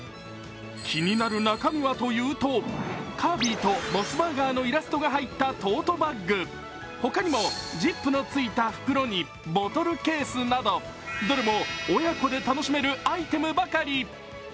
気になる中身はというとカービィとモスバーガーのイラストが入ったトートバッグ、ほかにもジップのついた袋にボトルケースなどどれも親子で楽しめるアイテムばかり。